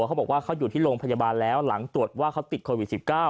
เขาบอกว่าเขาอยู่ที่โรงพยาบาลแล้วหลังตรวจว่าเขาติดโควิด๑๙